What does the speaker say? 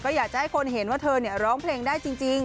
อยากจะให้คนเห็นว่าเธอร้องเพลงได้จริง